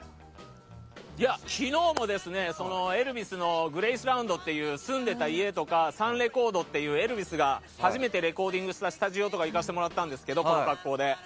昨日もエルヴィスのグレースラウンドっていう住んでいた家とかサンレコードっていうエルヴィスが初めてレコーディングしたスタジオとか行かせてもらったんですけどこの格好で。